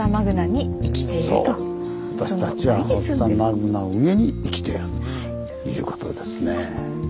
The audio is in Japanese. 私たちはフォッサマグナの上に生きているということですね。